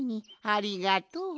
ありがとう。